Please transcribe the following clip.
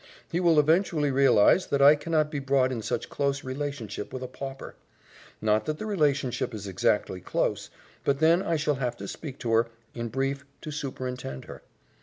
He will eventually realize that I cannot be brought in such close relationship with a pauper. Not that the relationship is exactly close, but then I shall have to speak to her in brief, to superintend her.